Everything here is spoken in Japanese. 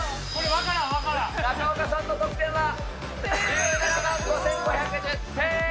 分からん、中岡さんの得点は、１７万５５１０点。